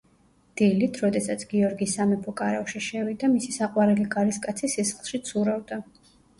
დილით, როდესაც გიორგი სამეფო კარავში შევიდა, მისი საყვარელი კარისკაცი სისხლში ცურავდა.